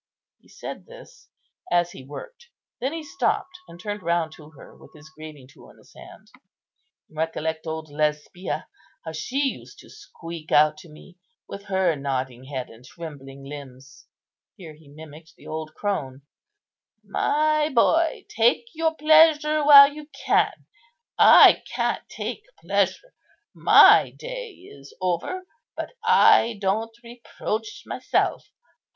He had said this as he worked. Then he stopped, and turned round to her, with his graving tool in his hand. "Recollect old Lesbia, how she used to squeak out to me, with her nodding head and trembling limbs"—here he mimicked the old crone—" 'My boy, take your pleasure while you can. I can't take pleasure—my day is over; but I don't reproach myself.